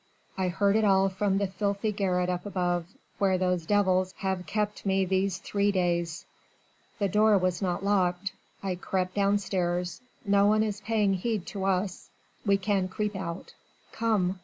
I heard it all from the filthy garret up above, where those devils have kept me these three days. The door was not locked.... I crept downstairs.... No one is paying heed to us.... We can creep out. Come."